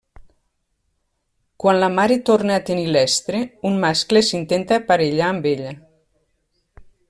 Quan la mare torna a tenir l'estre, un mascle s'intenta aparellar amb ella.